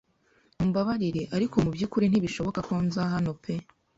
Mumbabarire, ariko mubyukuri ntibishoboka ko nza hano pe.